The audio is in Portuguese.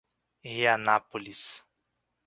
Rianápolis